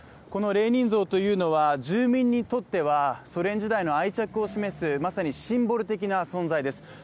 このレーニン像というのは住民にとってはソ連時代の愛着を示すまさにシンボル的な存在です。